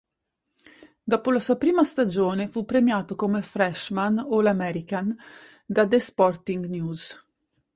Dopo la sua prima stagione fu premiato come freshman All-American da The Sporting News.